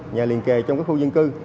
nhà liền kề trong cái khu dân cư